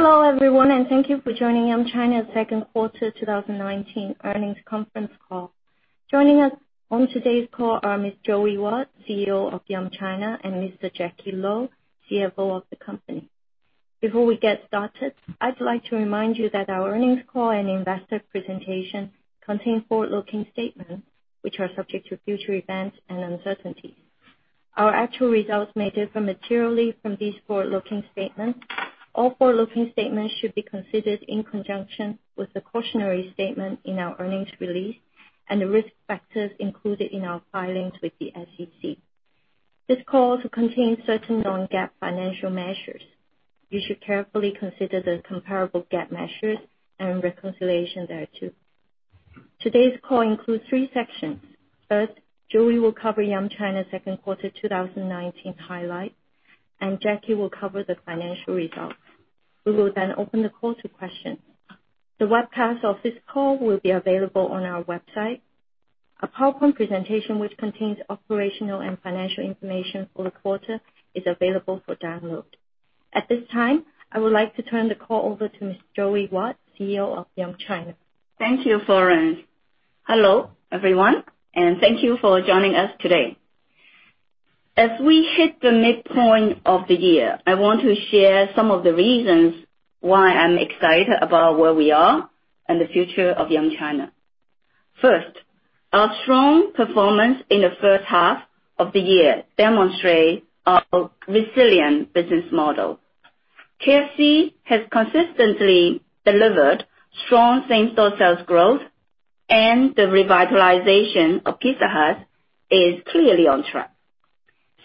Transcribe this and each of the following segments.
Hello, everyone, and thank you for joining Yum China's second quarter 2019 earnings conference call. Joining us on today's call are Ms. Joey Wat, CEO of Yum China, and Mr. Jacky Lo, CFO of the company. Before we get started, I'd like to remind you that our earnings call and investor presentation contain forward-looking statements which are subject to future events and uncertainties. Our actual results may differ materially from these forward-looking statements. All forward-looking statements should be considered in conjunction with the cautionary statement in our earnings release and the risk factors included in our filings with the SEC. This call contains certain non-GAAP financial measures. You should carefully consider the comparable GAAP measures and reconciliation thereto. Today's call includes three sections. First, Joey will cover Yum China's second quarter 2019 highlights, and Jacky will cover the financial results. We will open the call to questions. The webcast of this call will be available on our website. A PowerPoint presentation which contains operational and financial information for the quarter is available for download. At this time, I would like to turn the call over to Ms. Joey Wat, CEO of Yum China. Thank you, Florence. Hello, everyone, and thank you for joining us today. As we hit the midpoint of the year, I want to share some of the reasons why I'm excited about where we are and the future of Yum China. First, our strong performance in the first half of the year demonstrates our resilient business model. KFC has consistently delivered strong same-store sales growth, and the revitalization of Pizza Hut is clearly on track.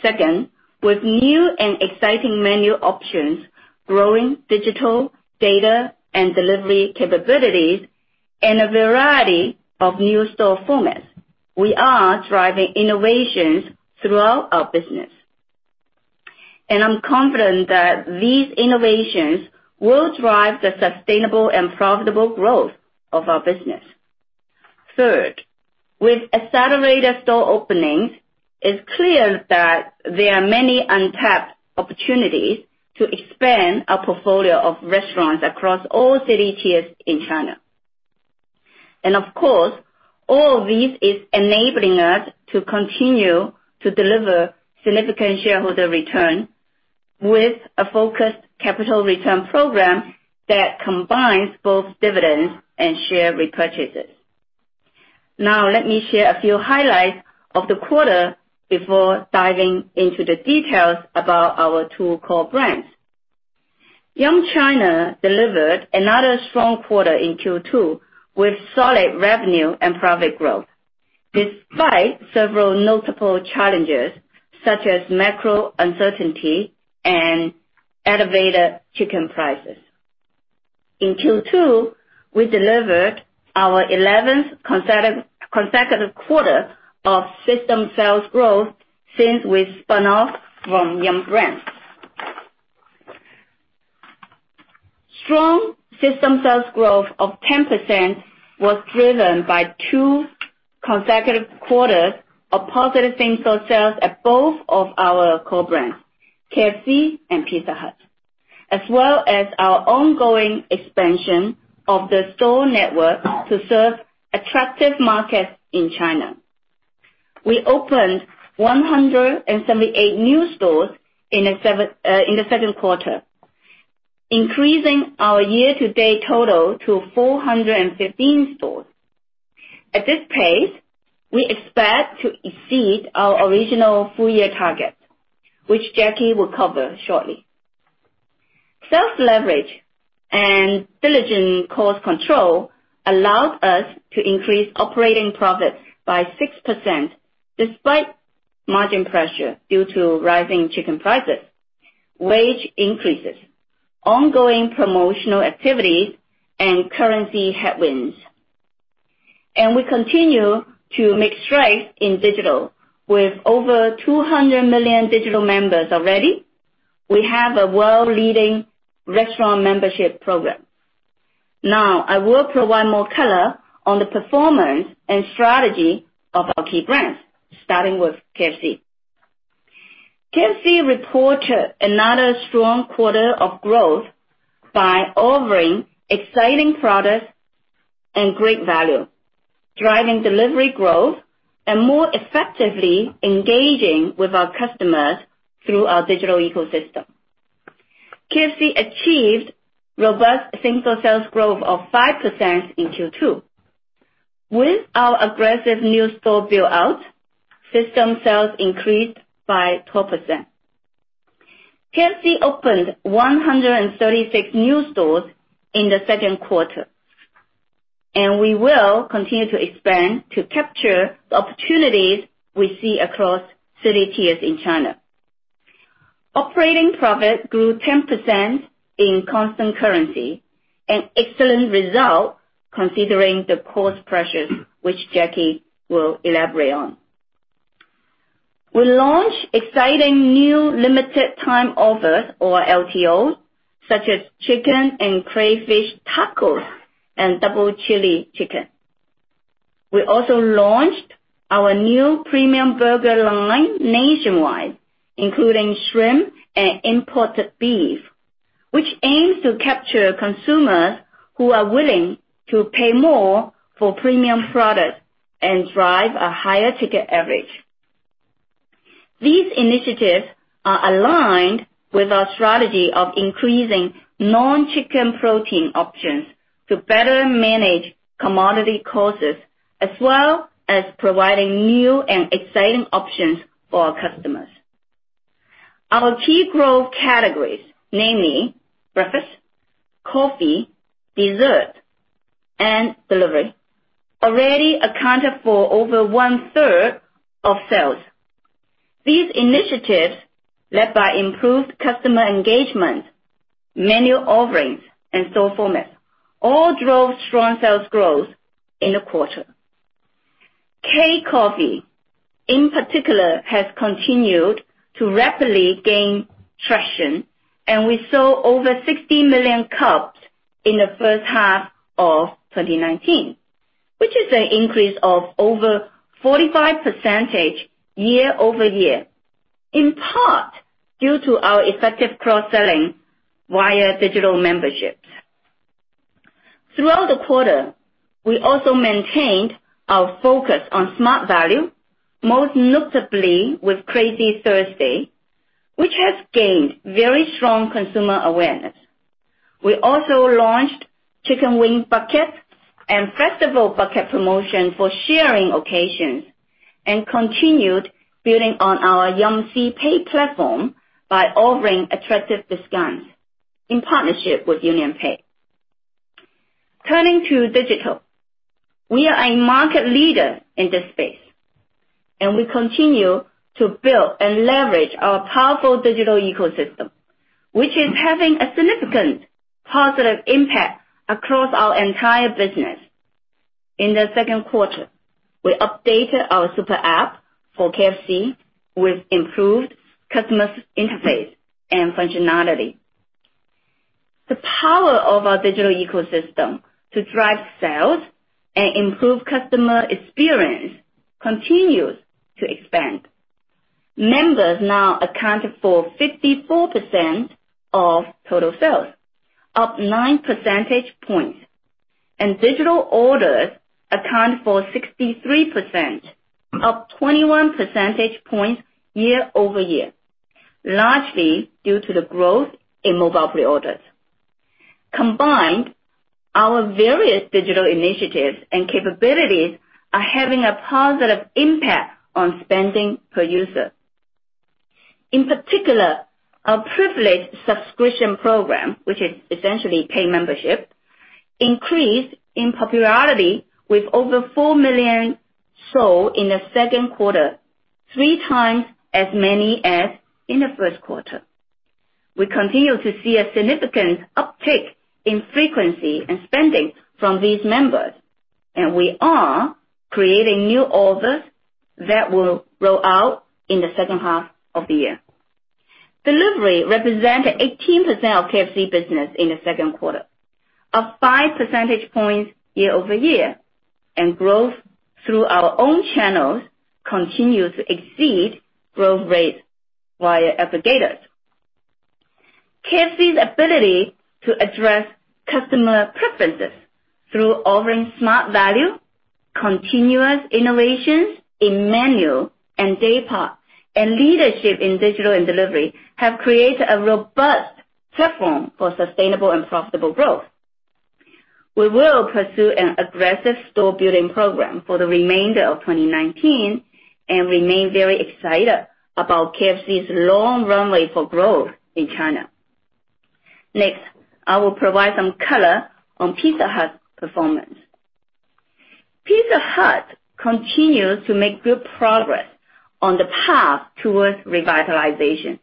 Second, with new and exciting menu options, growing digital data and delivery capabilities, and a variety of new store formats, we are driving innovations throughout our business, and I'm confident that these innovations will drive the sustainable and profitable growth of our business. Third, with accelerated store openings, it's clear that there are many untapped opportunities to expand our portfolio of restaurants across all city tiers in China. Of course, all of this is enabling us to continue to deliver significant shareholder return with a focused capital return program that combines both dividends and share repurchases. Let me share a few highlights of the quarter before diving into the details about our two core brands. Yum China delivered another strong quarter in Q2 with solid revenue and profit growth, despite several notable challenges such as macro uncertainty and elevated chicken prices. In Q2, we delivered our 11th consecutive quarter of system sales growth since we spun off from Yum! Brands. Strong system sales growth of 10% was driven by two consecutive quarters of positive same-store sales at both of our core brands, KFC and Pizza Hut, as well as our ongoing expansion of the store network to serve attractive markets in China. We opened 178 new stores in the second quarter, increasing our year-to-date total to 415 stores. At this pace, we expect to exceed our original full-year target, which Jacky will cover shortly. Sales leverage and diligent cost control allowed us to increase operating profits by 6%, despite margin pressure due to rising chicken prices, wage increases, ongoing promotional activities, and currency headwinds. We continue to make strides in digital. With over 200 million digital members already, we have a world-leading restaurant membership program. Now, I will provide more color on the performance and strategy of our key brands, starting with KFC. KFC reported another strong quarter of growth by offering exciting products and great value, driving delivery growth, and more effectively engaging with our customers through our digital ecosystem. KFC achieved robust same-store sales growth of 5% in Q2. With our aggressive new store build-out, system sales increased by 12%. KFC opened 136 new stores in the second quarter, and we will continue to expand to capture the opportunities we see across city tiers in China. Operating profit grew 10% in constant currency, an excellent result considering the cost pressures, which Jacky will elaborate on. We launched exciting new limited time offers or LTOs such as Chicken and Crayfish Tacos and Double Chili Chicken. We also launched our new premium burger line nationwide, including shrimp and imported beef, which aims to capture consumers who are willing to pay more for premium products and drive a higher ticket average. These initiatives are aligned with our strategy of increasing non-chicken protein options to better manage commodity costs, as well as providing new and exciting options for our customers. Our key growth categories, namely breakfast, coffee, dessert, and delivery, already accounted for over one-third of sales. These initiatives, led by improved customer engagement, menu offerings, and store formats, all drove strong sales growth in the quarter. KCOFFEE, in particular, has continued to rapidly gain traction, and we sold over 60 million cups in the first half of 2019, which is an increase of over 45% year-over-year, in part due to our effective cross-selling via digital memberships. Throughout the quarter, we also maintained our focus on smart value, most notably with Crazy Thursday, which has gained very strong consumer awareness. We also launched Chicken Wing Bucket and Festival Bucket promotion for sharing occasions and continued building on our YUMC pay platform by offering attractive discounts in partnership with UnionPay. Turning to digital, we are a market leader in this space, and we continue to build and leverage our powerful digital ecosystem, which is having a significant positive impact across our entire business. In the second quarter, we updated our super app for KFC with improved customer interface and functionality. The power of our digital ecosystem to drive sales and improve customer experience continues to expand. Members now account for 54% of total sales, up nine percentage points, and digital orders account for 63%, up 21 percentage points year-over-year, largely due to the growth in mobile pre-orders. Combined, our various digital initiatives and capabilities are having a positive impact on spending per user. In particular, our privileged subscription program, which is essentially pay membership, increased in popularity with over 4 million sold in the second quarter, three times as many as in the first quarter. We continue to see a significant uptick in frequency and spending from these members, and we are creating new offers that will roll out in the second half of the year. Delivery represented 18% of KFC business in the second quarter, up five percentage points year-over-year, and growth through our own channels continues to exceed growth rates via aggregators. KFC's ability to address customer preferences through offering smart value, continuous innovations in menu and day part, and leadership in digital and delivery have created a robust platform for sustainable and profitable growth. We will pursue an aggressive store-building program for the remainder of 2019 and remain very excited about KFC's long runway for growth in China. Next, I will provide some color on Pizza Hut's performance. Pizza Hut continues to make good progress on the path towards revitalization.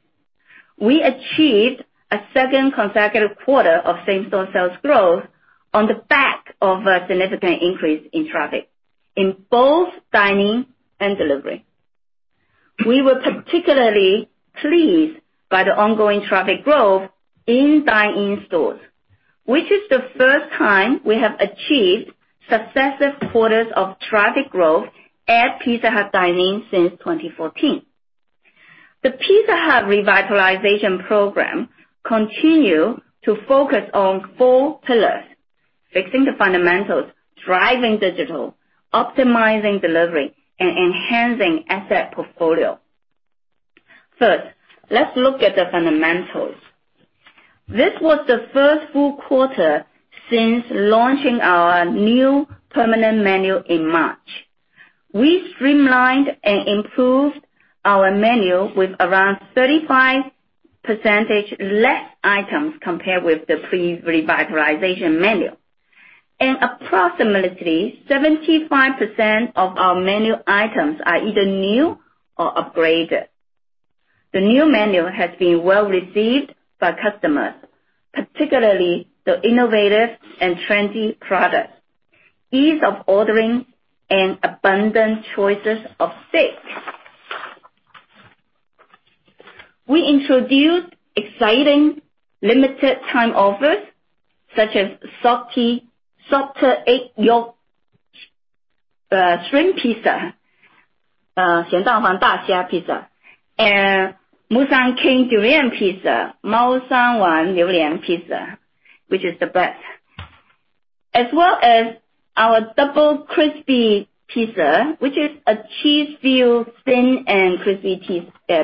We achieved a second consecutive quarter of same-store sales growth on the back of a significant increase in traffic in both dine-in and delivery. We were particularly pleased by the ongoing traffic growth in dine-in stores, which is the first time we have achieved successive quarters of traffic growth at Pizza Hut Dine-In since 2014. The Pizza Hut revitalization program continue to focus on four pillars: fixing the fundamentals, driving digital, optimizing delivery, and enhancing asset portfolio. First, let's look at the fundamentals. This was the first full quarter since launching our new permanent menu in March. We streamlined and improved our menu with around 35% less items compared with the pre-revitalization menu, and approximately 75% of our menu items are either new or upgraded. The new menu has been well-received by customers, particularly the innovative and trendy products. Ease of ordering and abundant choices. We introduced exciting limited time offers, such as salty egg yolk shrimp pizza and Musang King Durian pizza, which is the best. As well as our double crispy pizza, which is a cheese-filled thin and crispy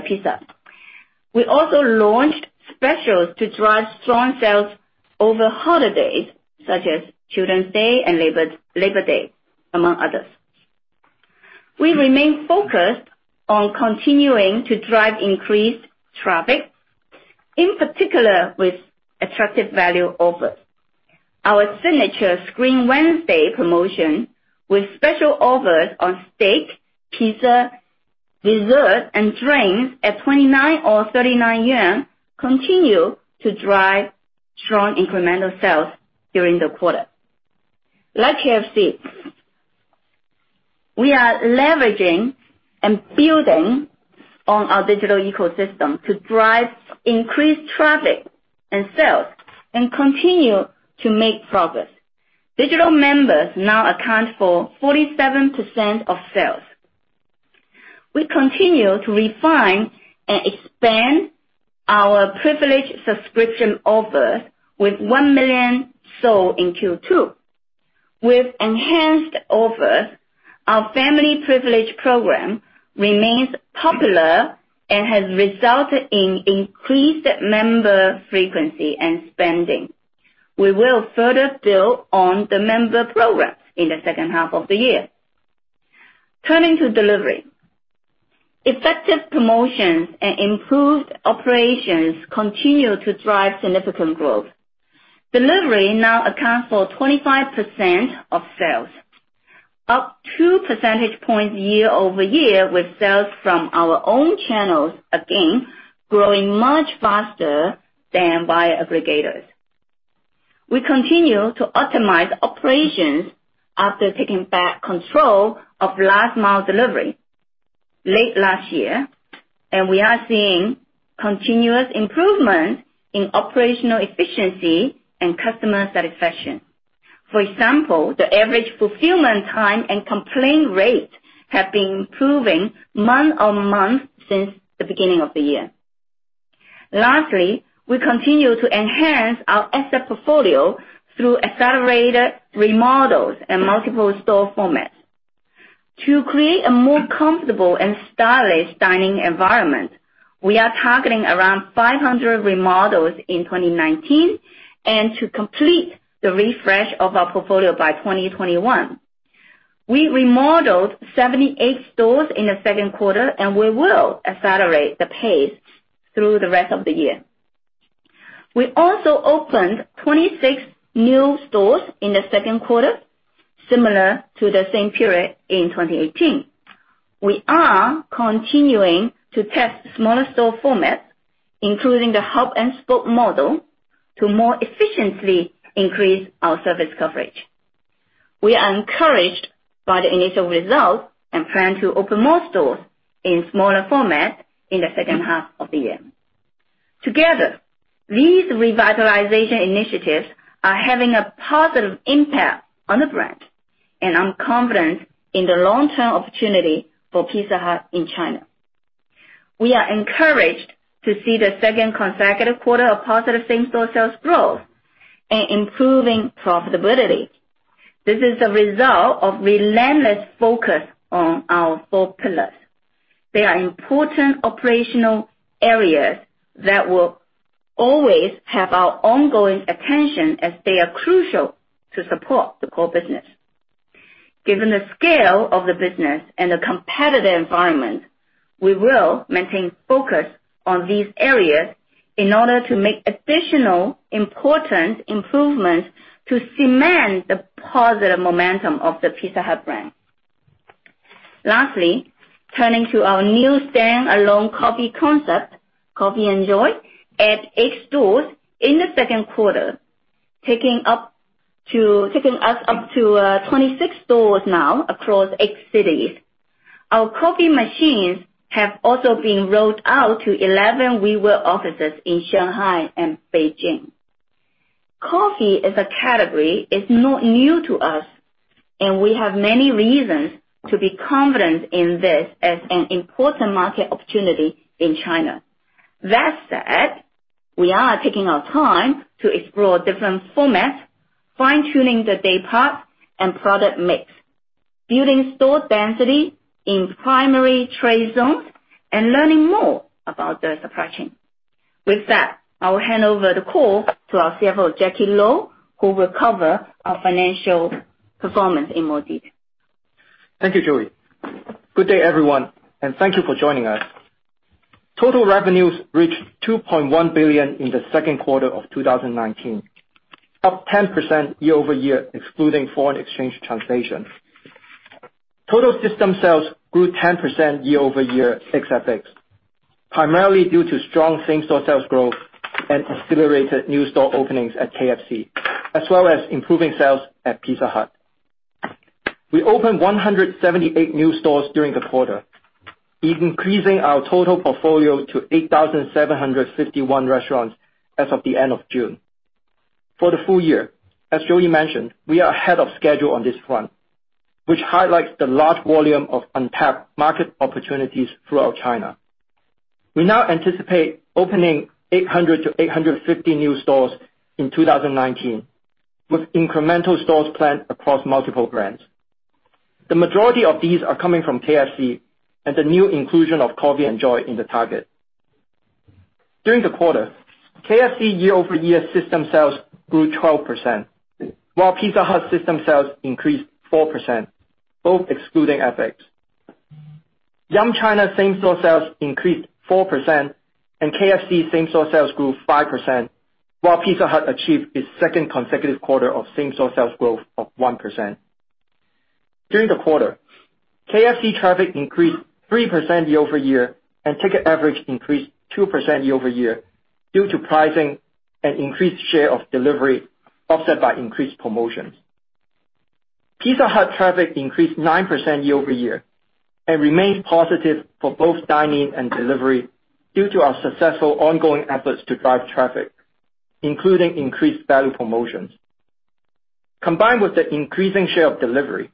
pizza. We also launched specials to drive strong sales over holidays, such as Children's Day and Labor Day, among others. We remain focused on continuing to drive increased traffic, in particular with attractive value offers. Our signature Scream Wednesday promotion, with special offers on steak, pizza, dessert, and drinks at 29 or 39 yuan, continue to drive strong incremental sales during the quarter. Like KFC, we are leveraging and building on our digital ecosystem to drive increased traffic and sales, and continue to make progress. Digital members now account for 47% of sales. We continue to refine and expand our privilege subscription offer with 1 million sold in Q2. With enhanced offers, our family privilege program remains popular and has resulted in increased member frequency and spending. We will further build on the member progress in the second half of the year. Turning to delivery. Effective promotions and improved operations continue to drive significant growth. Delivery now accounts for 25% of sales, up two percentage points year-over-year, with sales from our own channels again growing much faster than by aggregators. We continue to optimize operations after taking back control of last mile delivery late last year, and we are seeing continuous improvement in operational efficiency and customer satisfaction. For example, the average fulfillment time and complaint rate have been improving month-on-month since the beginning of the year. Lastly, we continue to enhance our asset portfolio through accelerated remodels and multiple store formats. To create a more comfortable and stylish dining environment, we are targeting around 500 remodels in 2019. To complete the refresh of our portfolio by 2021, we remodeled 78 stores in the second quarter. We will accelerate the pace through the rest of the year. We also opened 26 new stores in the second quarter, similar to the same period in 2018. We are continuing to test smaller store formats, including the hub and spoke model, to more efficiently increase our service coverage. We are encouraged by the initial results and plan to open more stores in smaller formats in the second half of the year. Together, these revitalization initiatives are having a positive impact on the brand, and I'm confident in the long-term opportunity for Pizza Hut in China. We are encouraged to see the second consecutive quarter of positive same-store sales growth and improving profitability. This is a result of relentless focus on our four pillars. They are important operational areas that will always have our ongoing attention as they are crucial to support the core business. Given the scale of the business and the competitive environment, we will maintain focus on these areas in order to make additional important improvements to cement the positive momentum of the Pizza Hut brand. Lastly, turning to our new stand-alone coffee concept, COFFii & JOY, at 8 stores in the second quarter, taking us up to 26 stores now across 8 cities. Our coffee machines have also been rolled out to 11 WeWork offices in Shanghai and Beijing. Coffee as a category is not new to us. We have many reasons to be confident in this as an important market opportunity in China. That said, we are taking our time to explore different formats, fine-tuning the day part and product mix, building store density in primary trade zones, and learning more about the supply chain. With that, I will hand over the call to our CFO, Jacky Lo, who will cover our financial performance in more detail. Thank you, Joey. Good day, everyone, and thank you for joining us. Total revenues reached 2.1 billion in the second quarter of 2019, up 10% year-over-year, excluding foreign exchange translation. Total system sales grew 10% year-over-year ex FX, primarily due to strong same-store sales growth and accelerated new store openings at KFC, as well as improving sales at Pizza Hut. We opened 178 new stores during the quarter, increasing our total portfolio to 8,751 restaurants as of the end of June. For the full year, as Joey mentioned, we are ahead of schedule on this front, which highlights the large volume of untapped market opportunities throughout China. We now anticipate opening 800-850 new stores in 2019, with incremental stores planned across multiple brands. The majority of these are coming from KFC and the new inclusion of COFFii & JOY in the target. During the quarter, KFC year-over-year system sales grew 12%, while Pizza Hut system sales increased 4%, both excluding FX. Yum China same-store sales increased 4%, and KFC same-store sales grew 5%, while Pizza Hut achieved its second consecutive quarter of same-store sales growth of 1%. During the quarter, KFC traffic increased 3% year-over-year, and ticket average increased 2% year-over-year due to pricing and increased share of delivery, offset by increased promotions. Pizza Hut traffic increased 9% year-over-year, and remains positive for both dine-in and delivery due to our successful ongoing efforts to drive traffic, including increased value promotions. Combined with the increasing share of delivery,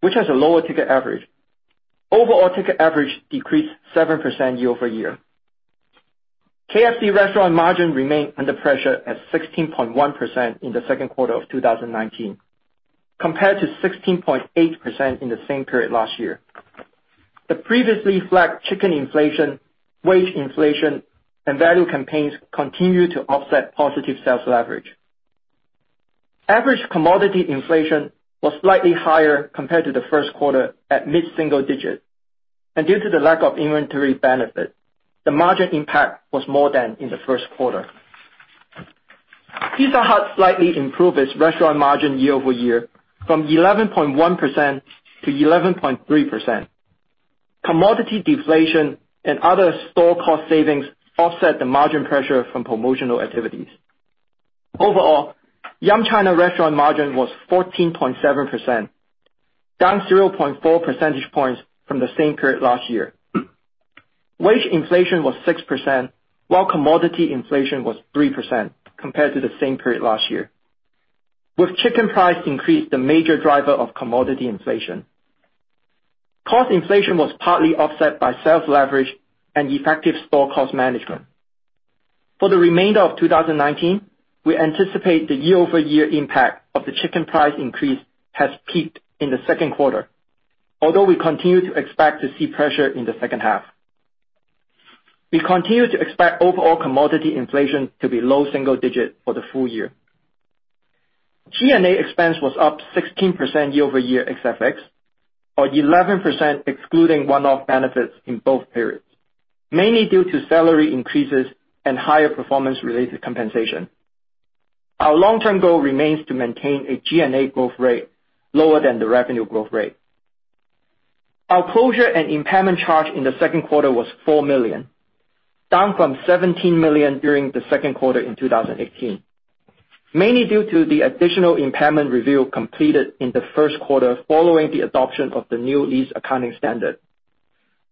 which has a lower ticket average, overall ticket average decreased 7% year-over-year. KFC restaurant margin remained under pressure at 16.1% in the second quarter of 2019, compared to 16.8% in the same period last year. The previously flagged chicken inflation, wage inflation, and value campaigns continue to offset positive sales leverage. Average commodity inflation was slightly higher compared to the first quarter at mid-single digit. Due to the lack of inventory benefit, the margin impact was more than in the first quarter. Pizza Hut slightly improved its restaurant margin year-over-year from 11.1% to 11.3%. Commodity deflation and other store cost savings offset the margin pressure from promotional activities. Overall, Yum China restaurant margin was 14.7%, down 0.4 percentage points from the same period last year. Wage inflation was 6%, while commodity inflation was 3% compared to the same period last year, with chicken price increase the major driver of commodity inflation. Cost inflation was partly offset by sales leverage and effective store cost management. For the remainder of 2019, we anticipate the year-over-year impact of the chicken price increase has peaked in the second quarter, although we continue to expect to see pressure in the second half. We continue to expect overall commodity inflation to be low single digit for the full year. G&A expense was up 16% year-over-year ex FX, or 11% excluding one-off benefits in both periods, mainly due to salary increases and higher performance-related compensation. Our long-term goal remains to maintain a G&A growth rate lower than the revenue growth rate. Our closure and impairment charge in the second quarter was $4 million, down from $17 million during the second quarter in 2018. Mainly due to the additional impairment review completed in the first quarter following the adoption of the new lease accounting standard.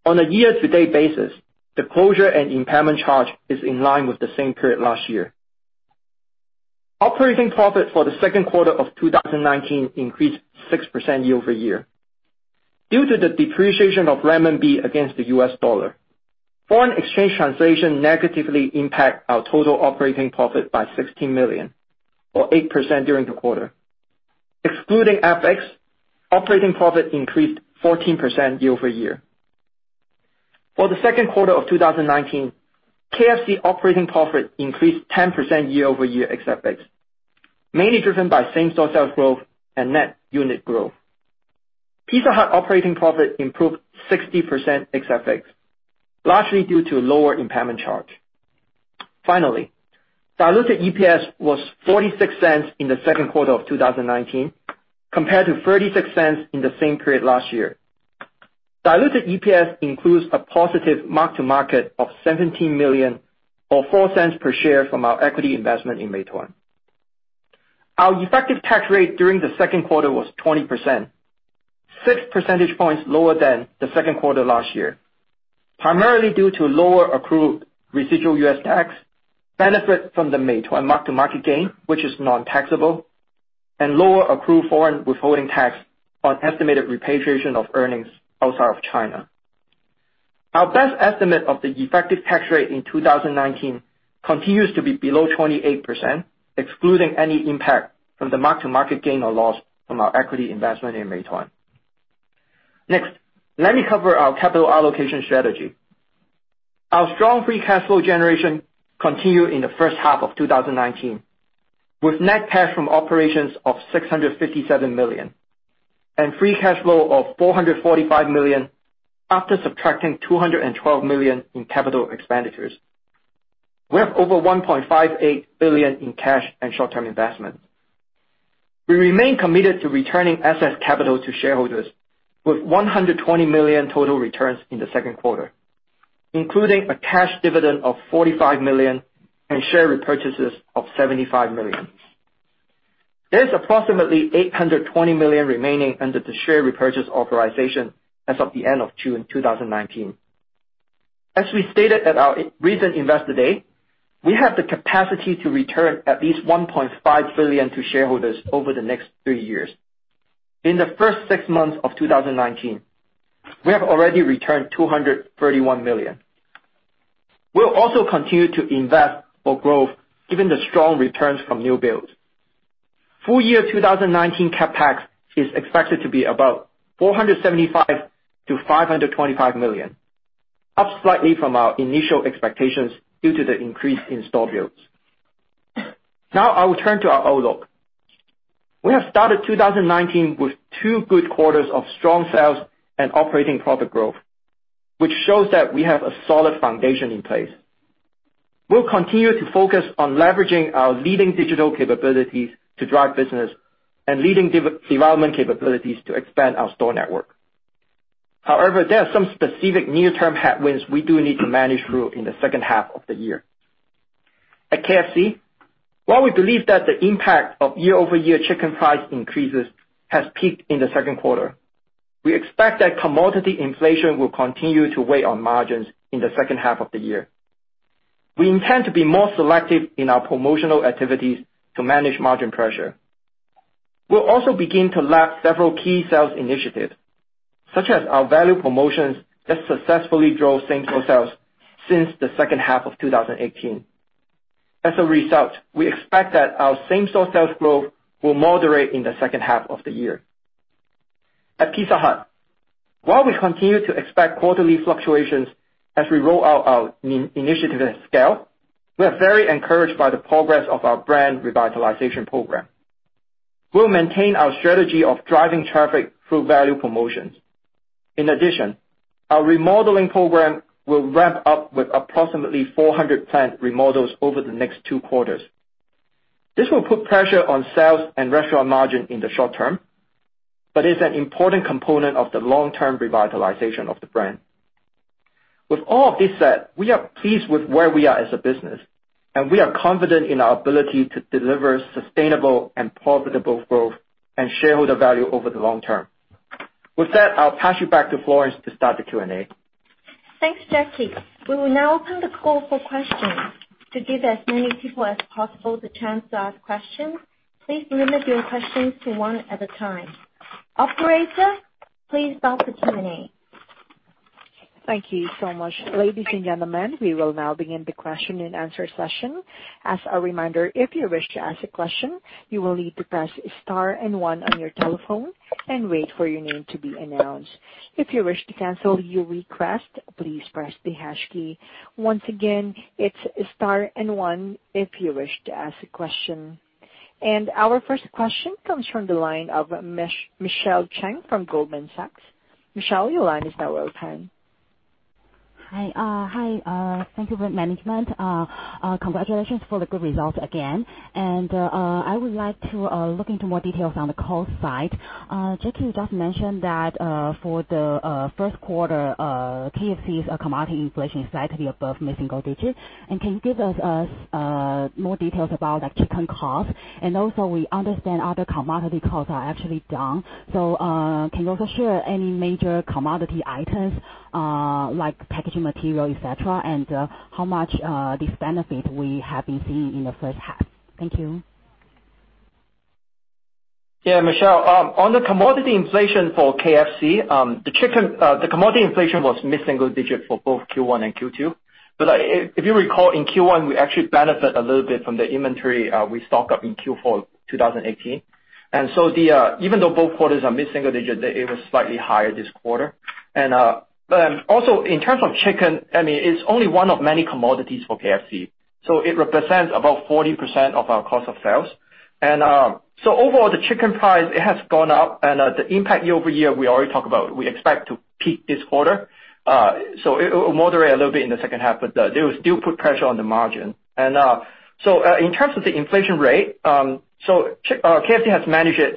On a year-to-date basis, the closure and impairment charge is in line with the same period last year. Operating profit for the second quarter of 2019 increased 6% year-over-year. Due to the depreciation of renminbi against the US dollar, foreign exchange translation negatively impact our total operating profit by $16 million or 8% during the quarter. Excluding FX, operating profit increased 14% year-over-year. For the second quarter of 2019, KFC operating profit increased 10% year-over-year ex FX, mainly driven by same-store sales growth and net unit growth. Pizza Hut operating profit improved 60% ex FX, largely due to lower impairment charge. Finally, diluted EPS was $0.46 in the second quarter of 2019, compared to $0.36 in the same period last year. Diluted EPS includes a positive mark-to-market of $17 million or $0.04 per share from our equity investment in Meituan. Our effective tax rate during the second quarter was 20%, six percentage points lower than the second quarter last year. Primarily due to lower accrued residual U.S. tax, benefit from the Meituan mark-to-market gain, which is non-taxable, and lower accrued foreign withholding tax on estimated repatriation of earnings outside of China. Our best estimate of the effective tax rate in 2019 continues to be below 28%, excluding any impact from the mark-to-market gain or loss from our equity investment in Meituan. Let me cover our capital allocation strategy. Our strong free cash flow generation continued in the first half of 2019, with net cash from operations of $657 million and free cash flow of $445 million after subtracting $212 million in capital expenditures. We have over $1.58 billion in cash and short-term investments. We remain committed to returning excess capital to shareholders with $120 million total returns in the second quarter. Including a cash dividend of $45 million and share repurchases of $75 million. There is approximately $820 million remaining under the share repurchase authorization as of the end of June 2019. As we stated at our recent Investor Day, we have the capacity to return at least $1.5 billion to shareholders over the next three years. In the first six months of 2019, we have already returned $231 million. We'll also continue to invest for growth given the strong returns from new builds. Full year 2019 CapEx is expected to be about $475 million-$525 million, up slightly from our initial expectations due to the increase in store builds. Now I will turn to our outlook. We have started 2019 with two good quarters of strong sales and operating profit growth, which shows that we have a solid foundation in place. We'll continue to focus on leveraging our leading digital capabilities to drive business and leading development capabilities to expand our store network. There are some specific near-term headwinds we do need to manage through in the second half of the year. At KFC, while we believe that the impact of year-over-year chicken price increases has peaked in the second quarter, we expect that commodity inflation will continue to weigh on margins in the second half of the year. We intend to be more selective in our promotional activities to manage margin pressure. We'll also begin to lap several key sales initiatives, such as our value promotions that successfully drove same-store sales since the second half of 2018. We expect that our same-store sales growth will moderate in the second half of the year. At Pizza Hut, while we continue to expect quarterly fluctuations as we roll out our initiatives at scale, we are very encouraged by the progress of our brand revitalization program. We'll maintain our strategy of driving traffic through value promotions. Our remodeling program will ramp up with approximately 400 planned remodels over the next two quarters. This will put pressure on sales and restaurant margin in the short term, it's an important component of the long-term revitalization of the brand. With all of this said, we are pleased with where we are as a business, we are confident in our ability to deliver sustainable and profitable growth and shareholder value over the long term. With that, I'll pass you back to Florence to start the Q&A. Thanks, Jacky. We will now open the call for questions. To give as many people as possible the chance to ask questions, please limit your questions to one at a time. Operator, please start the Q&A. Thank you so much. Ladies and gentlemen, we will now begin the question and answer session. As a reminder, if you wish to ask a question, you will need to press star and one on your telephone and wait for your name to be announced. If you wish to cancel your request, please press the hash key. Once again, it's star and one if you wish to ask a question. Our first question comes from the line of Michelle Cheng from Goldman Sachs. Michelle, your line is now open. Hi. Thank you for management. Congratulations for the good results again, and I would like to look into more details on the cost side. Jacky just mentioned that, for the first quarter, KFC's commodity inflation is slightly above mid-single digits. Can you give us more details about the chicken cost? Also, we understand other commodity costs are actually down. Can you also share any major commodity items, like packaging material, et cetera, and how much this benefit we have been seeing in the first half? Thank you. Yeah, Michelle. On the commodity inflation for KFC, the commodity inflation was mid-single digit for both Q1 and Q2. If you recall, in Q1, we actually benefit a little bit from the inventory we stock up in Q4 2018. Even though both quarters are mid-single digit, it was slightly higher this quarter. In terms of chicken, it's only one of many commodities for KFC, so it represents about 40% of our cost of sales. Overall, the chicken price has gone up and the impact year-over-year, we already talked about, we expect to peak this quarter. It will moderate a little bit in the second half, but they will still put pressure on the margin. In terms of the inflation rate, KFC has managed it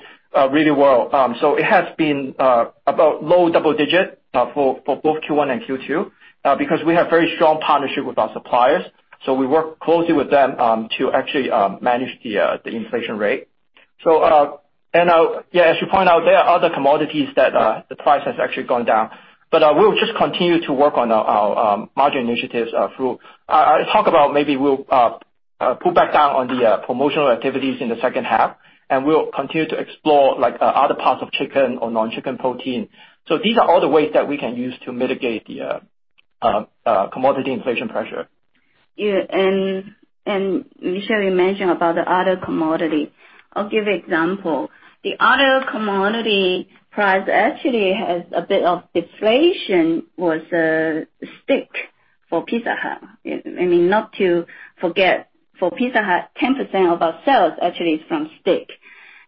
really well. It has been about low double-digit for both Q1 and Q2 because we have very strong partnership with our suppliers. We work closely with them to actually manage the inflation rate. As you point out, there are other commodities that the price has actually gone down. We'll just continue to work on our margin initiatives through. I talk about maybe we'll pull back down on the promotional activities in the second half, and we'll continue to explore other parts of chicken or non-chicken protein. These are all the ways that we can use to mitigate the commodity inflation pressure. Yeah. Michelle, you mentioned about the other commodity. I'll give example. The other commodity price actually has a bit of deflation was steak for Pizza Hut. Not to forget, for Pizza Hut, 10% of our sales actually is from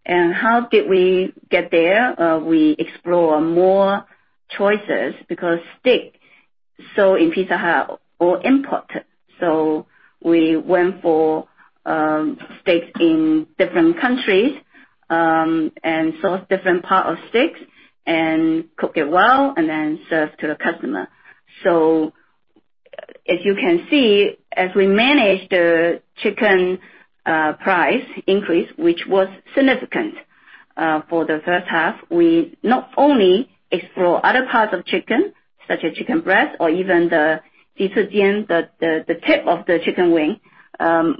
steak. How did we get there? We explore more choices because steak sold in Pizza Hut all imported. We went for steak in different countries. Source different part of steaks and cook it well, and then serve to the customer. As you can see, as we manage the chicken price increase, which was significant for the first half, we not only explore other parts of chicken, such as chicken breast or even the tip of the chicken wing, to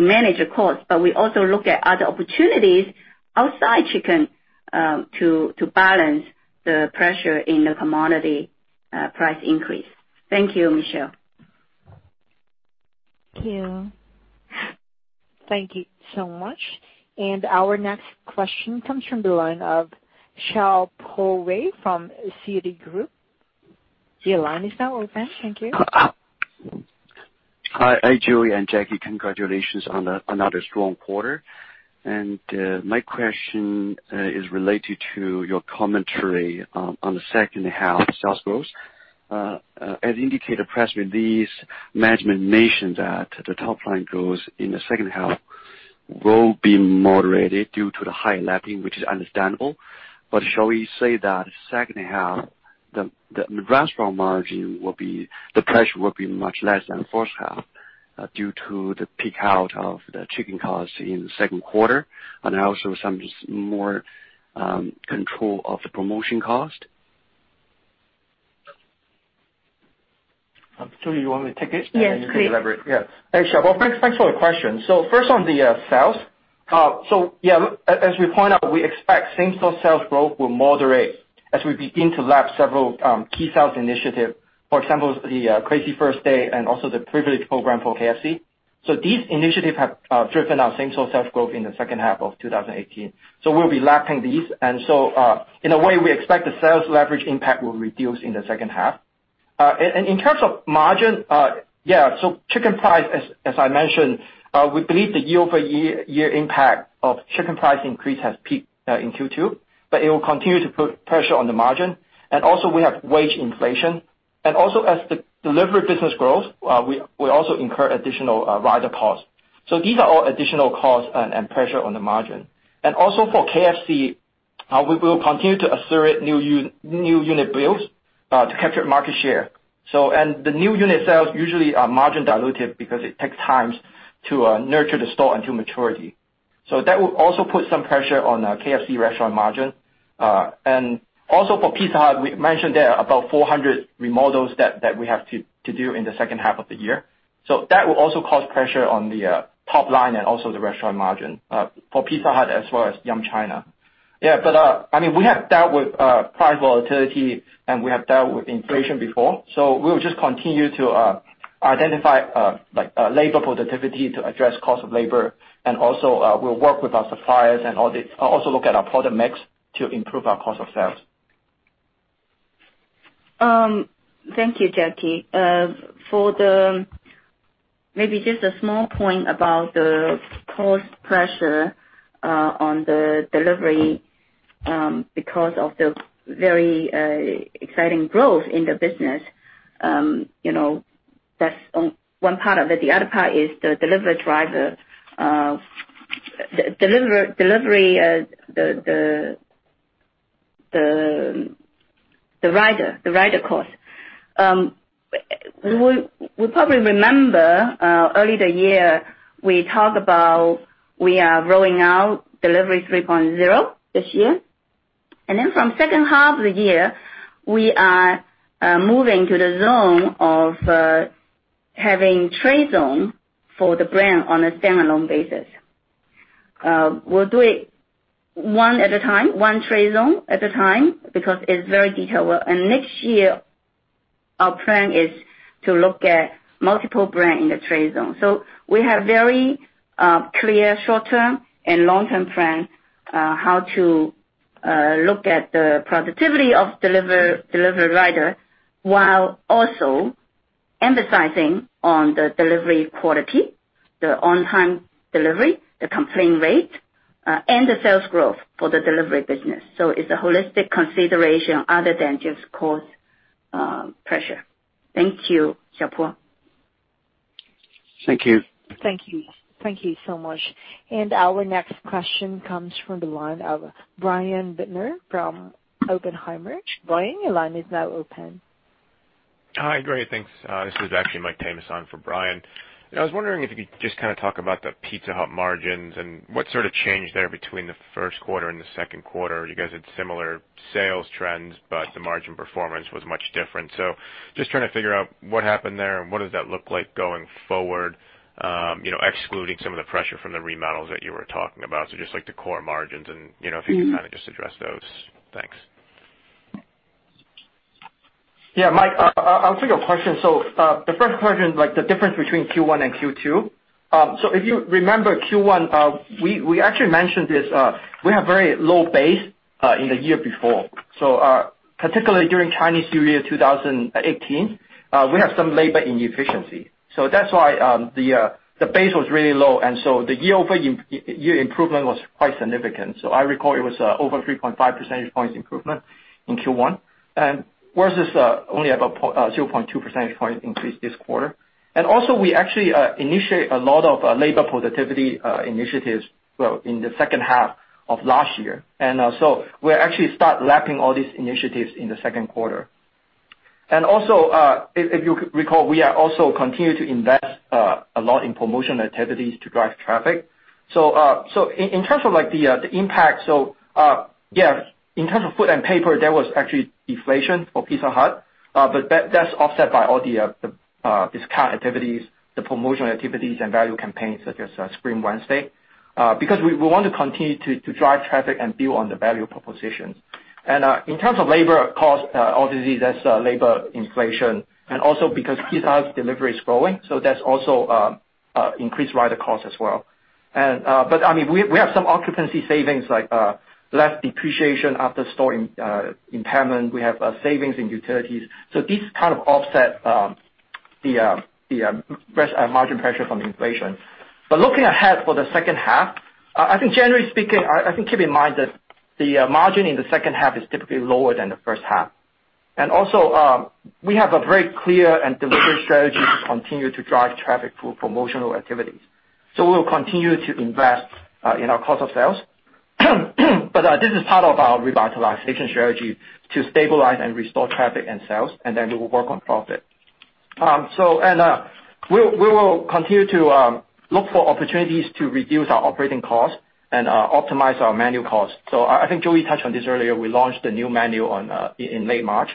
manage the cost, but we also look at other opportunities outside chicken, to balance the pressure in the commodity price increase. Thank you, Michelle. Thank you. Thank you so much. Our next question comes from the line of Xiaopo Wei from Citigroup. Your line is now open. Thank you. Hi, Joey and Jacky. Congratulations on another strong quarter. My question is related to your commentary on the second half sales growth. As indicated, press release management mentions at the top line growth in the second half will be moderated due to the high lapping, which is understandable. Shall we say that second half, the restaurant margin, the pressure will be much less than first half, due to the peak out of the chicken costs in the second quarter, and also some just more control of the promotion cost? Joey, you want me to take it? Yes, please. You can elaborate. Hey, Xiaopo, thanks for the question. First on the sales. As we point out, we expect same-store sales growth will moderate as we begin to lap several key sales initiative. For example, the Crazy Thursday and also the privilege program for KFC. These initiative have driven our same-store sales growth in the second half of 2018. We'll be lapping these. In a way, we expect the sales leverage impact will reduce in the second half. In terms of margin, chicken price, as I mentioned, we believe the year-over-year impact of chicken price increase has peaked in Q2, but it will continue to put pressure on the margin. Also, we have wage inflation. Also, as the delivery business grows, we also incur additional rider costs. These are all additional costs and pressure on the margin. For KFC, we will continue to assert new unit builds to capture market share. The new unit sales usually are margin dilutive because it takes times to nurture the store into maturity. That will also put some pressure on our KFC restaurant margin. For Pizza Hut, we mentioned there are about 400 remodels that we have to do in the second half of the year. That will also cause pressure on the top line and also the restaurant margin, for Pizza Hut as well as Yum China. We have dealt with price volatility, and we have dealt with inflation before. We'll just continue to identify labor productivity to address cost of labor. Also, we'll work with our suppliers and also look at our product mix to improve our cost of sales. Thank you, Jacky. Maybe just a small point about the cost pressure on the delivery, because of the very exciting growth in the business. That's one part of it. The other part is the delivery driver. Delivery, the rider cost. We probably remember, early the year, we talked about we are rolling out Delivery 3.0 this year. From second half of the year, we are moving to the zone of having trade zone for the brand on a standalone basis. We'll do it one at a time, one trade zone at a time, because it's very detailed work. Next year, our plan is to look at multiple brand in the trade zone. We have very clear short-term and long-term plan, how to look at the productivity of delivery rider, while also emphasizing on the delivery quality, the on-time delivery, the complaint rate, and the sales growth for the delivery business. It's a holistic consideration other than just cost pressure. Thank you, Xiaopo. Thank you. Thank you. Thank you so much. Our next question comes from the line of Brian Bittner from Oppenheimer. Brian, your line is now open. Hi. Great. Thanks. This is actually Mike Tamas for Brian. I was wondering if you could just talk about the Pizza Hut margins and what sort of change there between the first quarter and the second quarter. You guys had similar sales trends, but the margin performance was much different. Just trying to figure out what happened there and what does that look like going forward, excluding some of the pressure from the remodels that you were talking about. Just like the core margins and if you could kind of just address those. Thanks. Yeah, Mike, I'll take your question. The first question, like the difference between Q1 and Q2. If you remember Q1, we actually mentioned this. We have very low base, in the year before. Particularly during Chinese New Year 2018, we have some labor inefficiency. That's why the base was really low, and so the year-over-year improvement was quite significant. I recall it was over 3.5 percentage points improvement in Q1, and versus only about 0.2 percentage point increase this quarter. We actually initiate a lot of labor productivity initiatives in the second half of last year. We actually start lapping all these initiatives in the second quarter. If you recall, we are also continue to invest a lot in promotional activities to drive traffic. In terms of the impact, yes, in terms of foot and paper, there was actually deflation for Pizza Hut. That's offset by all the discount activities, the promotional activities and value campaigns such as Screaming Wednesday. We want to continue to drive traffic and build on the value propositions. In terms of labor cost, obviously that's labor inflation. Also because Pizza Hut delivery is growing, that's also increased rider costs as well. We have some occupancy savings, like less depreciation after store impairment. We have savings in utilities. These kind of offset the margin pressure from inflation. Looking ahead for the second half, I think generally speaking, keep in mind that the margin in the second half is typically lower than the first half. Also, we have a very clear and deliberate strategy to continue to drive traffic through promotional activities. We'll continue to invest in our cost of sales. This is part of our revitalization strategy to stabilize and restore traffic and sales, and then we will work on profit. We will continue to look for opportunities to reduce our operating costs and optimize our menu costs. I think Joey touched on this earlier. We launched a new menu in late March,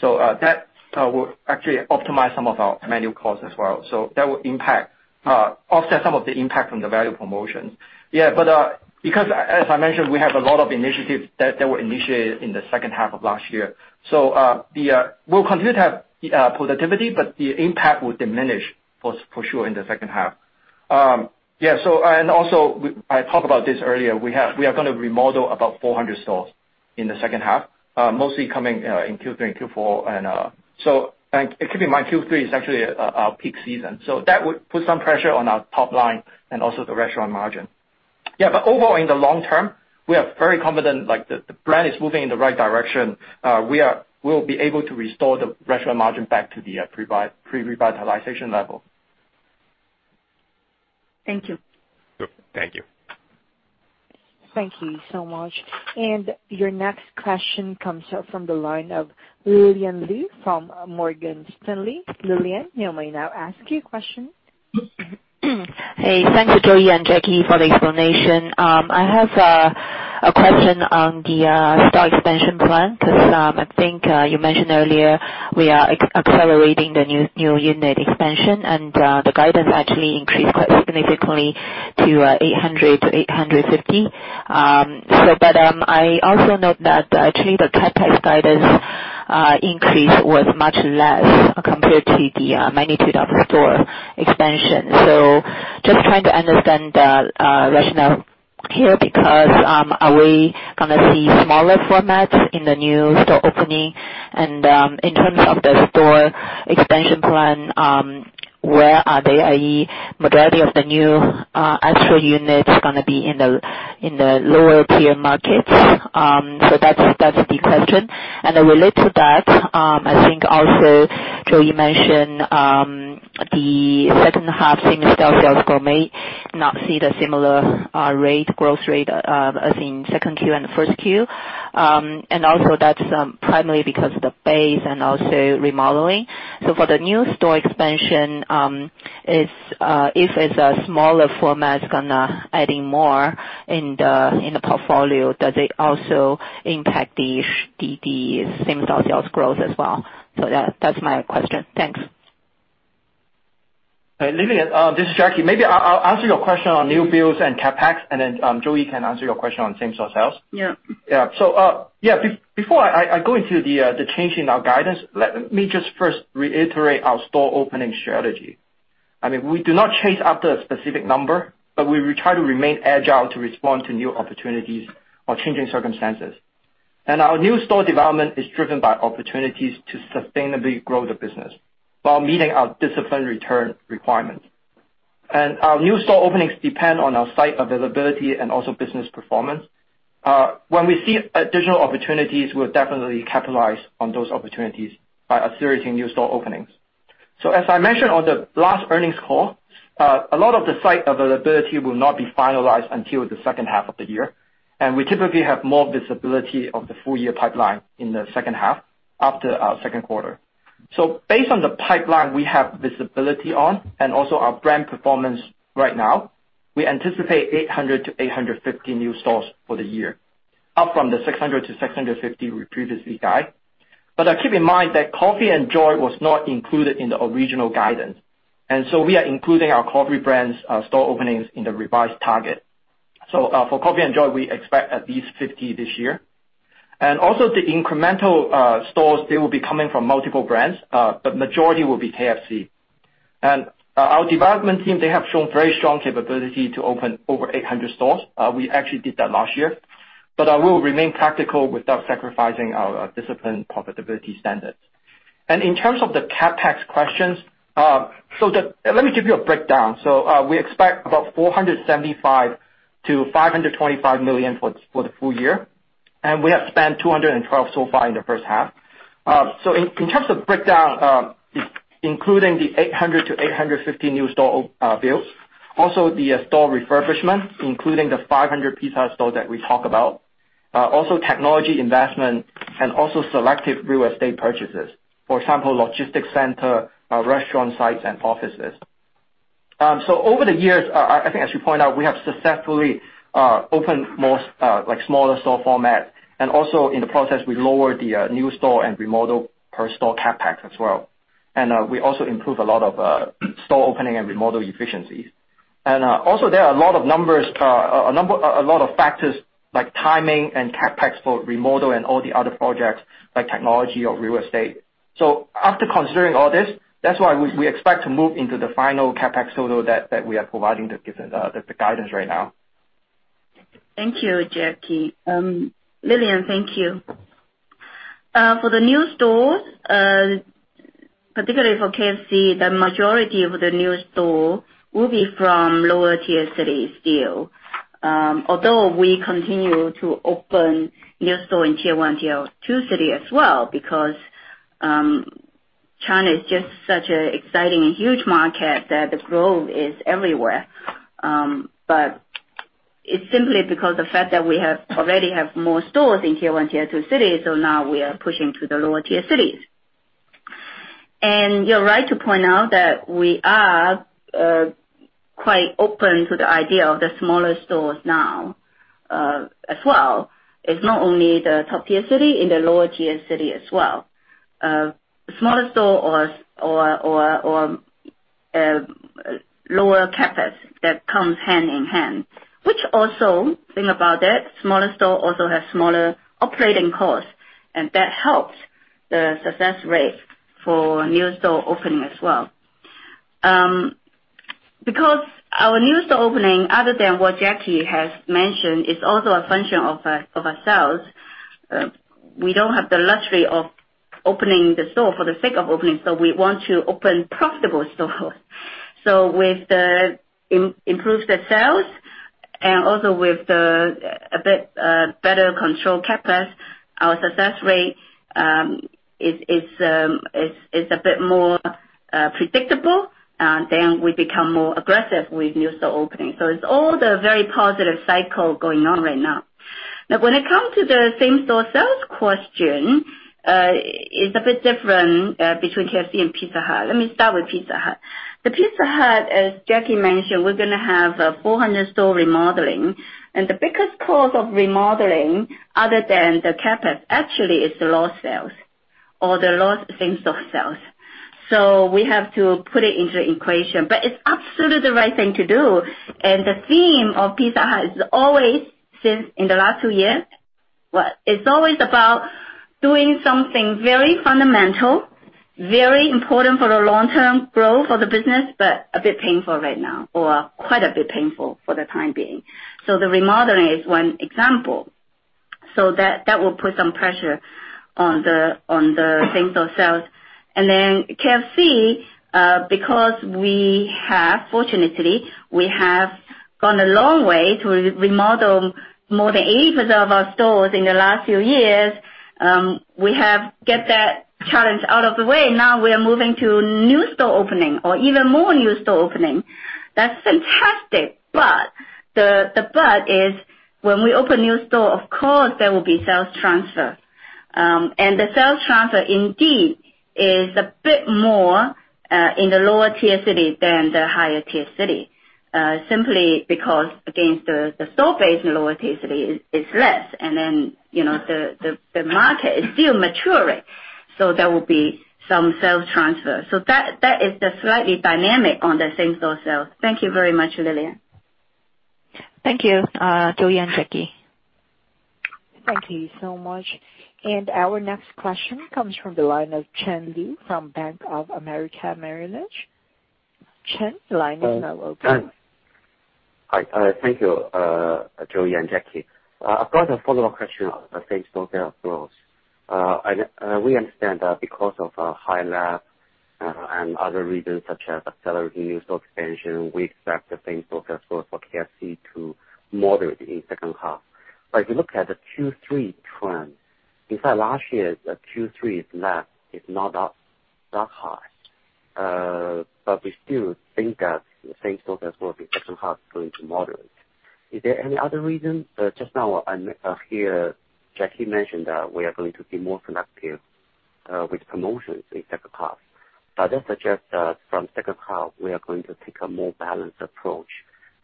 so that will actually optimize some of our menu costs as well. That will offset some of the impact from the value promotions. Yeah, because as I mentioned, we have a lot of initiatives that were initiated in the second half of last year, so we'll continue to have productivity, but the impact will diminish for sure in the second half. Yeah. I talked about this earlier. We are going to remodel about 400 stores in the second half, mostly coming in Q3 and Q4. Keep in mind, Q3 is actually our peak season. That would put some pressure on our top line and also the restaurant margin. Overall, in the long term, we are very confident the brand is moving in the right direction. We'll be able to restore the restaurant margin back to the pre-revitalization level. Thank you. Thank you. Thank you so much. Your next question comes up from the line of Lillian Lou from Morgan Stanley. Lillian, you may now ask your question. Thanks to Joey and Jacky for the explanation. I have a question on the store expansion plan, I think, you mentioned earlier we are accelerating the new unit expansion, the guidance actually increased quite significantly to 800 to 850. I also note that actually the CapEx guidance increase was much less compared to the magnitude of store expansion. Just trying to understand the rationale here, are we going to see smaller formats in the new store opening? In terms of the store expansion plan, where are they, i.e. majority of the new Astro units going to be in the lower tier markets? That's the question. Relate to that, I think also Joey mentioned the second half same store sales growth may not see the similar growth rate, as in second Q and first Q. That's primarily because of the base and also remodeling. For the new store expansion, if it's a smaller format, it's going to adding more in the portfolio. Does it also impact the same store sales growth as well? That's my question. Thanks. Hey, Lillian, this is Jacky. Maybe I'll answer your question on new builds and CapEx, and then Joey can answer your question on same store sales. Yeah. Before I go into the change in our guidance, let me just first reiterate our store opening strategy. We do not chase after a specific number, but we try to remain agile to respond to new opportunities or changing circumstances. Our new store development is driven by opportunities to sustainably grow the business while meeting our disciplined return requirements. Our new store openings depend on our site availability and also business performance. When we see additional opportunities, we'll definitely capitalize on those opportunities by accelerating new store openings. As I mentioned on the last earnings call, a lot of the site availability will not be finalized until the second half of the year, and we typically have more visibility of the full year pipeline in the second half after our second quarter. Based on the pipeline we have visibility on and also our brand performance right now, we anticipate 800 to 850 new stores for the year, up from the 600 to 650 we previously guide. Keep in mind that COFFii & JOY was not included in the original guidance, we are including our coffee brand's store openings in the revised target. For COFFii & JOY, we expect at least 50 this year. The incremental stores, they will be coming from multiple brands, but majority will be KFC. Our development team, they have shown very strong capability to open over 800 stores. We actually did that last year. We will remain practical without sacrificing our disciplined profitability standards. In terms of the CapEx questions, let me give you a breakdown. We expect about $475 million-$525 million for the full year. We have spent $212 so far in the first half. In terms of breakdown, including the 800-850 new store builds, also the store refurbishment, including the 500 Pizza Hut stores that we talk about, also technology investment and also selective real estate purchases. For example, logistics center, restaurant sites and offices. Over the years, I think I should point out, we have successfully opened more smaller store format. Also in the process, we lowered the new store and remodel per store CapEx as well. We also improved a lot of store opening and remodel efficiencies. Also, there are a lot of factors like timing and CapEx for remodel and all the other projects like technology or real estate. After considering all this, that's why we expect to move into the final CapEx total that we are providing the guidance right now. Thank you, Jacky. Lillian, thank you. For the new stores, particularly for KFC, the majority of the new store will be from lower tier cities still. We continue to open new store in tier 1, tier 2 city as well, because China is just such an exciting and huge market that the growth is everywhere. It's simply because the fact that we already have more stores in tier 1, tier 2 cities, so now we are pushing to the lower tier cities. You're right to point out that we are quite open to the idea of the smaller stores now as well. It's not only the top tier city, in the lower tier city as well. Smaller store or lower CapEx, that comes hand in hand. Also, think about that, smaller store also has smaller operating costs, and that helps the success rate for new store opening as well. Our new store opening, other than what Jacky has mentioned, is also a function of ourselves. We don't have the luxury of opening the store for the sake of opening, we want to open profitable stores. With the improved sales and also with the better control CapEx, our success rate is a bit more predictable, we become more aggressive with new store openings. It's all the very positive cycle going on right now. When it comes to the same-store sales question, it's a bit different between KFC and Pizza Hut. Let me start with Pizza Hut. The Pizza Hut, as Jacky mentioned, we're going to have 400 store remodeling. The biggest cause of remodeling, other than the CapEx, actually is the low sales or the low same-store sales. We have to put it into the equation. It's absolutely the right thing to do. The theme of Pizza Hut is always, since in the last two years, it's always about doing something very fundamental, very important for the long-term growth of the business, but a bit painful right now, or quite a bit painful for the time being. The remodeling is one example. That will put some pressure on the same-store sales. Then KFC, because we have, fortunately, we have gone a long way to remodel more than 80% of our stores in the last few years. We have get that challenge out of the way. Now we are moving to new store opening or even more new store opening. That's fantastic. The but is when we open a new store, of course there will be sales transfer. The sales transfer indeed is a bit more in the lower tier cities than the higher tier cities, simply because against the store base in lower tier city is less, and then the market is still maturing. There will be some sales transfer. That is the slightly dynamic on the same-store sales. Thank you very much, Lillian. Thank you, Joey and Jacky. Thank you so much. Our next question comes from the line of Chen Li from Bank of America Merrill Lynch. Chen, the line is now open. Hi. Thank you, Joey and Jacky. I've got a follow-up question on same-store sales growth. We understand that because of high lab and other reasons such as accelerated new store expansion, we expect the same-store sales growth for KFC to moderate in the second half. If you look at the Q3 trend, in fact, last year's Q3 is not that high. We still think that same-store sales growth in the second half is going to moderate. Is there any other reason? Just now I hear Jacky mention that we are going to be more selective with promotions in second half. Does that suggest that from second half, we are going to take a more balanced approach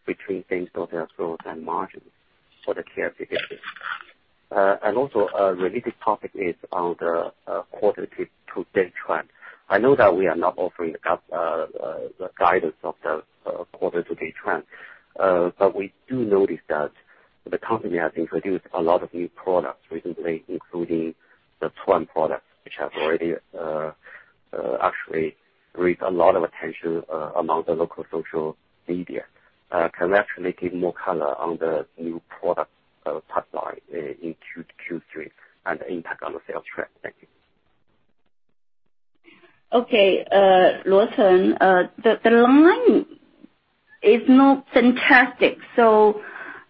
between same-store sales growth and margin for the KFC business? Also, a related topic is on the quarter-to-date trend. I know that we are not offering the guidance of the quarter-to-date trend. We do notice that the company has introduced a lot of new products recently, including the Tuan products, which have already actually raised a lot of attention among the local social media. Can you actually give more color on the new product pipeline in Q3 and the impact on the sales trend? Thank you. Okay. Luoton, the line is not fantastic, so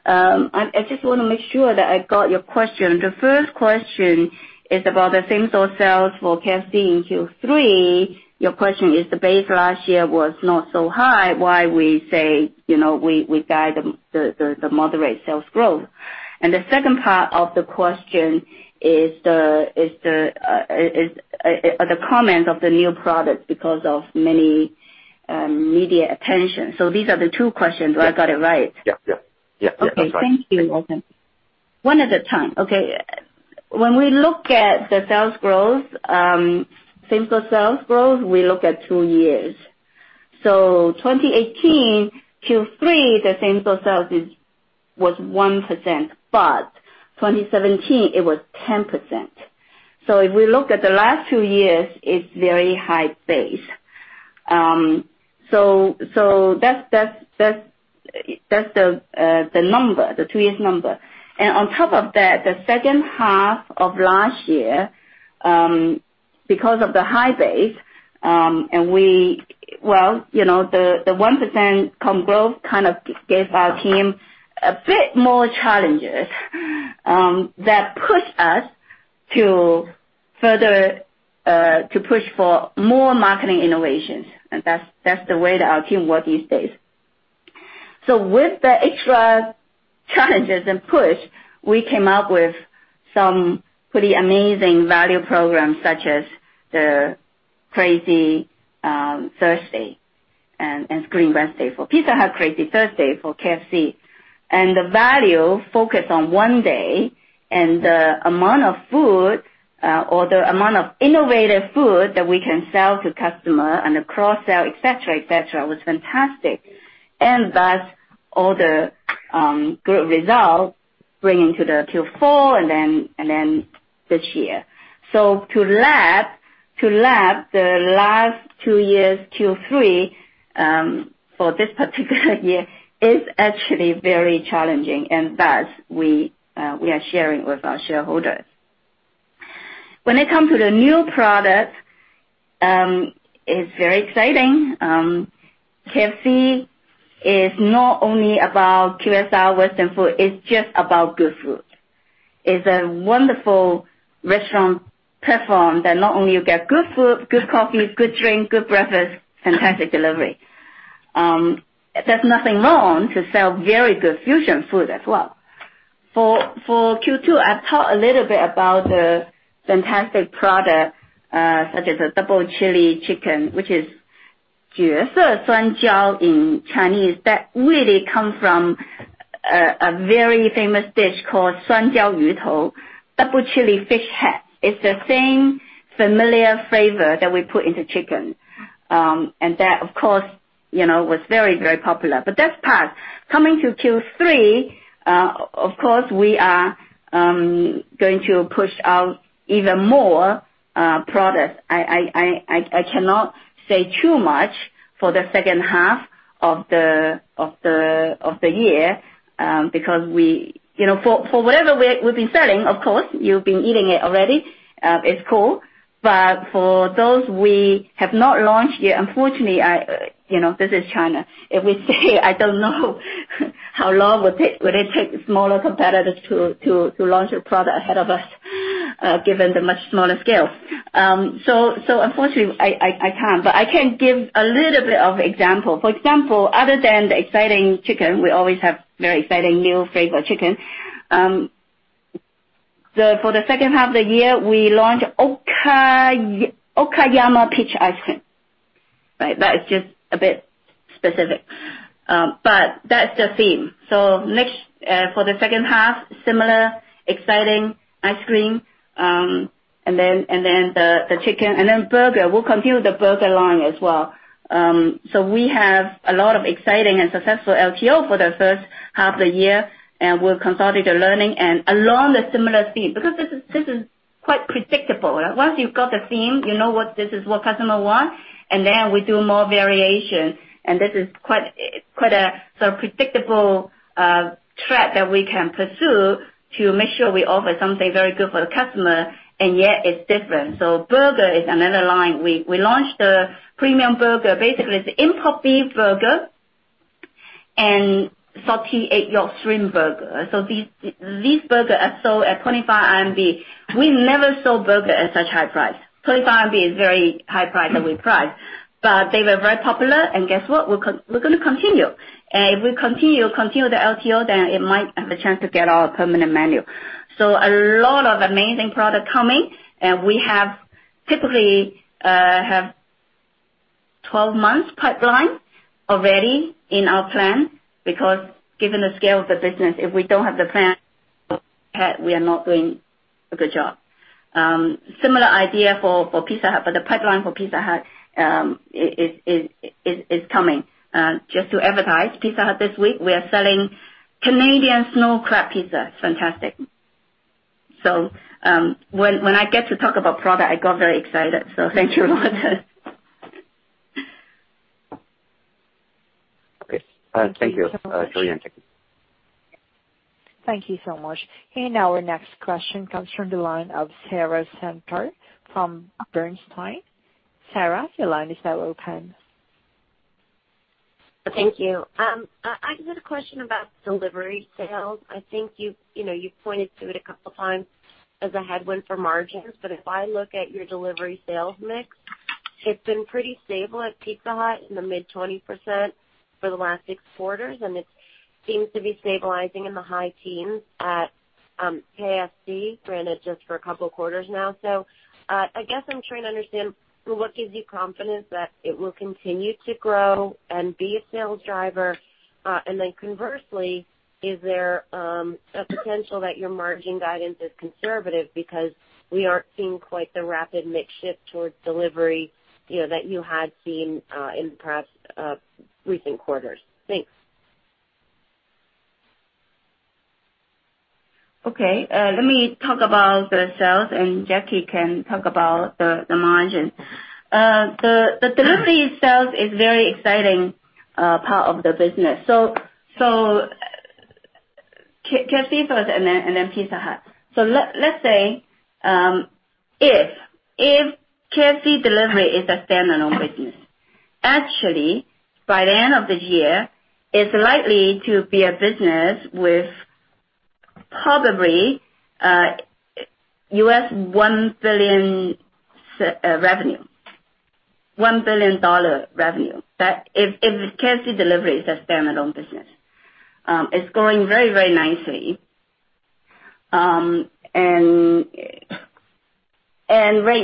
I just want to make sure that I got your question. The first question is about the same-store sales for KFC in Q3. Your question is, the base last year was not so high, why we say we guide the moderate sales growth. The second part of the question is the comment of the new product because of many media attention. These are the two questions. Do I get it right? Yeah. Okay. Thank you, Luoton. One at a time. Okay. When we look at the sales growth, same-store sales growth, we look at 2 years. 2018 Q3, the same-store sales was 1%, but 2017, it was 10%. If we look at the last 2 years, it's very high base. That's the number, the 2 years number. On top of that, the second half of last year, because of the high base, and the 1% comp growth kind of gave our team a bit more challenges that pushed us to push for more marketing innovations. That's the way that our team work these days. With the extra challenges and push, we came up with some pretty amazing value programs such as the Crazy Thursday and Scream Wednesday for Pizza Hut, Crazy Thursday for KFC. The value focused on one day, and the amount of food, or the amount of innovative food that we can sell to customer and the cross-sell, et cetera, was fantastic. Thus all the group results bring into the Q4 this year. To last the last two years, Q3, for this particular year is actually very challenging, and thus we are sharing with our shareholders. When it comes to the new product, it's very exciting. KFC is not only about QSR Western food, it's just about good food. It's a wonderful restaurant platform that not only you get good food, good coffee, good drink, good breakfast, fantastic delivery. There's nothing wrong to sell very good fusion food as well. For Q2, I've talked a little bit about the fantastic product, such as the Double Chili Chicken, which is in Chinese, that really come from a very famous dish called, double chili fish head. It's the same familiar flavor that we put into chicken. That, of course, was very popular. That's past. Coming to Q3, of course, we are going to push out even more products. I cannot say too much for the second half of the year, because for whatever we've been selling, of course, you've been eating it already, it's cool. For those we have not launched yet, unfortunately, this is China. If we say, I don't know how long will it take smaller competitors to launch a product ahead of us given the much smaller scale. Unfortunately, I can't. I can give a little bit of example. Other than the exciting chicken, we always have very exciting new flavor chicken. The second half of the year, we launched Okayama peach ice cream. That is just a bit specific. That's the theme. Next, for the second half, similar exciting ice cream, and then the chicken, and then burger. We'll continue the burger line as well. We have a lot of exciting and successful LTO for the first half of the year, we'll consolidate the learning and along the similar theme. This is quite predictable. Once you've got the theme, you know this is what customer want, and then we do more variation, and this is quite a predictable thread that we can pursue to make sure we offer something very good for the customer, and yet it's different. Burger is another line. We launched the premium burger, basically it's the import beef burger and salty egg yolk shrimp burger. These burger are sold at 25 RMB. We never sold burger at such high price. 25 RMB is very high price that we priced. They were very popular, guess what? We're going to continue. If we continue the LTO, then it might have a chance to get on our permanent menu. A lot of amazing product coming, and we have typically have 12 months pipeline already in our plan, because given the scale of the business, if we don't have the plan, we are not doing a good job. Similar idea for Pizza Hut, the pipeline for Pizza Hut is coming. Just to advertise Pizza Hut this week, we are selling Canadian snow crab pizza. It's fantastic. When I get to talk about product, I got very excited. Thank you a lot. Okay. Thank you. Thank you so much. Joey and Jacky. Thank you so much. Now our next question comes from the line of Sara Senatore from Bernstein. Sara, your line is now open. Thank you. I just had a question about delivery sales. I think you've pointed to it a couple of times as a headwind for margins, but if I look at your delivery sales mix, it's been pretty stable at Pizza Hut in the mid-20% for the last 6 quarters, and it seems to be stabilizing in the high teens at KFC, granted just for a couple of quarters now. I guess I'm trying to understand what gives you confidence that it will continue to grow and be a sales driver. Conversely, is there a potential that your margin guidance is conservative because we aren't seeing quite the rapid mix shift towards delivery, that you had seen in perhaps recent quarters? Thanks. Okay. Let me talk about the sales, and Jacky can talk about the margins. The delivery sales is very exciting part of the business. KFC first, and then Pizza Hut. Let's say, if KFC delivery is a standalone business. Actually, by the end of this year, it's likely to be a business with probably $1 billion revenue. That if KFC delivery is a standalone business. It's going very nicely. Right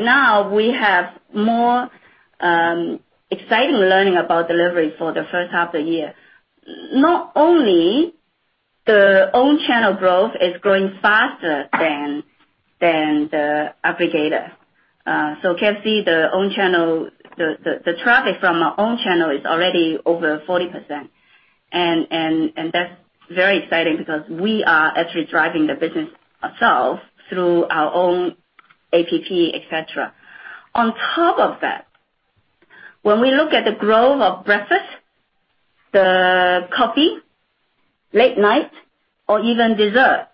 now, we have more exciting learning about delivery for the first half of the year. Not only the own channel growth is growing faster than the aggregator. KFC, the traffic from our own channel is already over 40%, and that's very exciting because we are actually driving the business ourselves through our own app, et cetera. When we look at the growth of breakfast, the coffee, late-night, or even dessert,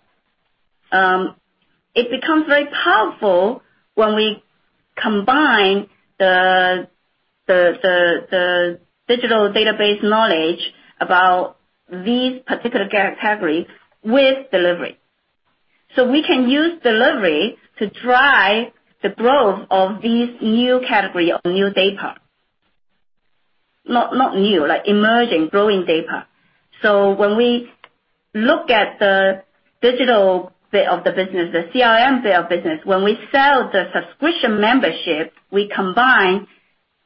it becomes very powerful when we combine the digital database knowledge about these particular categories with delivery. We can use delivery to drive the growth of these new category or new day part. Not new, like emerging, growing day part. When we look at the digital bit of the business, the CRM sales business, when we sell the subscription membership, we combine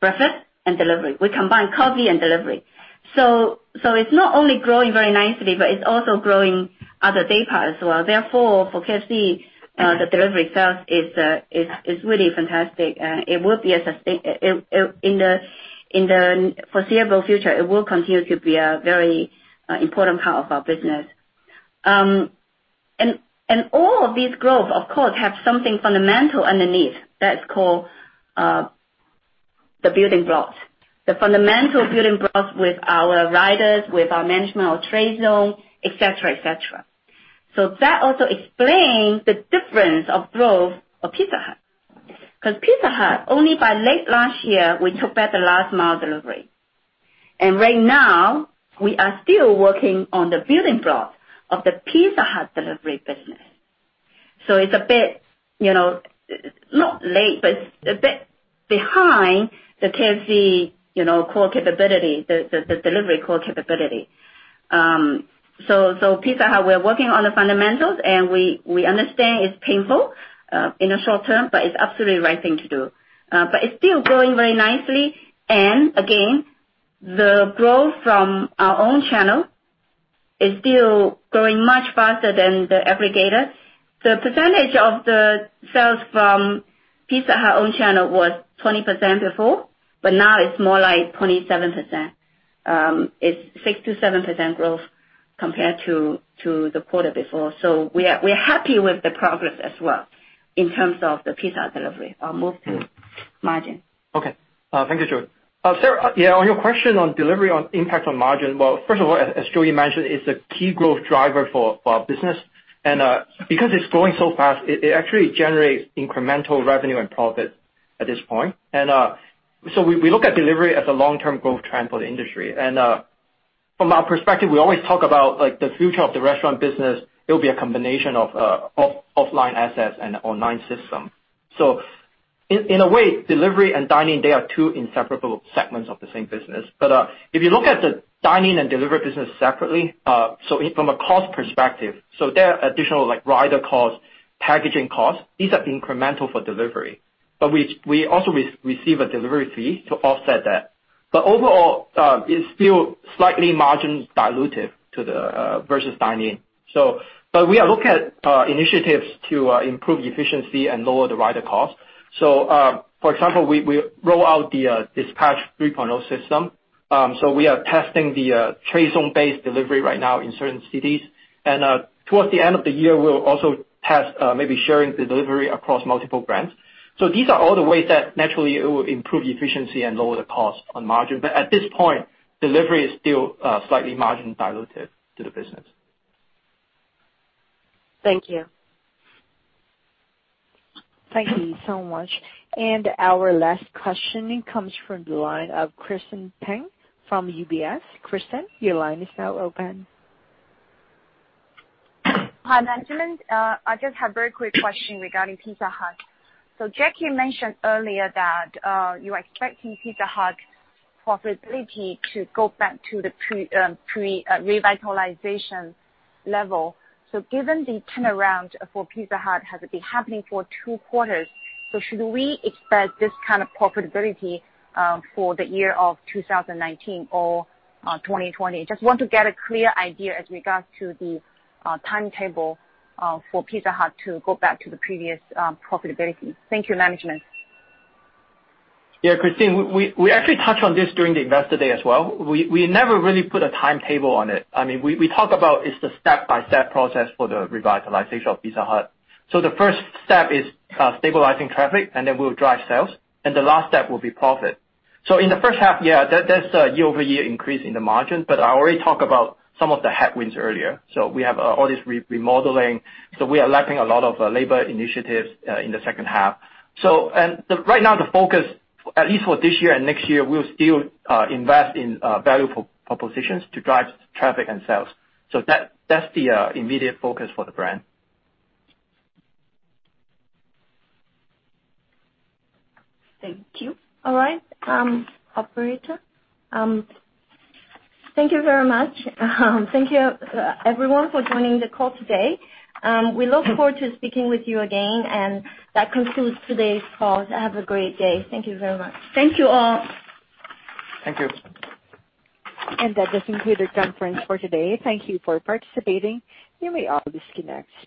breakfast and delivery. We combine coffee and delivery. It's not only growing very nicely, but it's also growing other day part as well. For KFC, the delivery sales is really fantastic. In the foreseeable future, it will continue to be a very important part of our business. All of these growth, of course, have something fundamental underneath that's called the building blocks. The fundamental building blocks with our riders, with our management of trade zone, et cetera. That also explains the difference of growth of Pizza Hut, because Pizza Hut, only by late last year, we took back the last mile delivery. Right now, we are still working on the building blocks of the Pizza Hut delivery business. It's a bit, not late, but it's a bit behind the KFC core capability, the delivery core capability. Pizza Hut, we're working on the fundamentals, and we understand it's painful in the short term, but it's absolutely the right thing to do. It's still growing very nicely. Again, the growth from our own channel is still growing much faster than the aggregator. The percentage of the sales from Pizza Hut own channel was 20% before, but now it's more like 27%. It's 6%-7% growth compared to the quarter before. We're happy with the progress as well in terms of the Pizza Hut delivery. I'll move to margin. Okay. Thank you, Joey. Sara, on your question on delivery on impact on margin. Well, first of all, as Joey mentioned, it's a key growth driver for our business. Because it's growing so fast, it actually generates incremental revenue and profit at this point. We look at delivery as a long-term growth trend for the industry. From our perspective, we always talk about the future of the restaurant business, it will be a combination of offline assets and online system. In a way, delivery and dining, they are two inseparable segments of the same business. If you look at the dining and delivery business separately, from a cost perspective, there are additional rider costs, packaging costs. These are incremental for delivery. We also receive a delivery fee to offset that. Overall, it's still slightly margin dilutive versus dine-in. We are looking at initiatives to improve efficiency and lower the rider cost. For example, we roll out the Delivery 3.0 system. We are testing the trade zone-based delivery right now in certain cities. Towards the end of the year, we'll also test maybe sharing delivery across multiple brands. These are all the ways that naturally it will improve efficiency and lower the cost on margin. At this point, delivery is still slightly margin dilutive to the business. Thank you. Thank you so much. Our last questioning comes from the line of Christine Peng from UBS. Christine, your line is now open. Hi, management. I just have very quick question regarding Pizza Hut. Jacky mentioned earlier that you are expecting Pizza Hut profitability to go back to the pre-revitalization level. Given the turnaround for Pizza Hut has been happening for two quarters, so should we expect this kind of profitability for the year of 2019 or 2020? Just want to get a clear idea as regards to the timetable for Pizza Hut to go back to the previous profitability. Thank you, management. Yeah, Christine, we actually touched on this during the Investor Day as well. We never really put a timetable on it. We talk about it's the step-by-step process for the revitalization of Pizza Hut. The first step is stabilizing traffic, and then we'll drive sales, and the last step will be profit. In the first half, yeah, there's a year-over-year increase in the margin, but I already talked about some of the headwinds earlier. We have all this remodeling. We are lacking a lot of labor initiatives in the second half. Right now, the focus, at least for this year and next year, we'll still invest in value propositions to drive traffic and sales. That's the immediate focus for the brand. Thank you. All right. Operator? Thank you very much. Thank you everyone for joining the call today. We look forward to speaking with you again, and that concludes today's call. Have a great day. Thank you very much. Thank you all. Thank you. That does conclude our conference for today. Thank you for participating. You may all disconnect.